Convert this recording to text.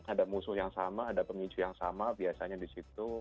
ada musuh yang sama ada pemicu yang sama biasanya di situ